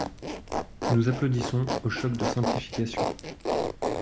Nous applaudissons au choc de simplification